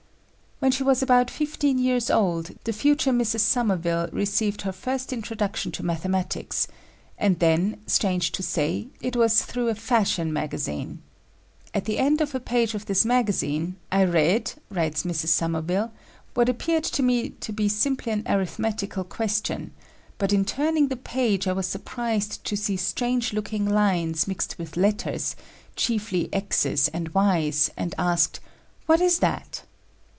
When she was about fifteen years old, the future Mrs. Somerville received her first introduction to mathematics; and then, strange to say, it was through a fashion magazine. At the end of a page of this magazine, "I read," writes Mrs. Somerville, "what appeared to me to be simply an arithmetical question; but in turning the page I was surprised to see strange looking lines mixed with letters, chiefly X's and Y's, and asked 'What is that?'"